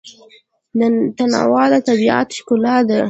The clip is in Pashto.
تنوع د طبیعت ښکلا ده.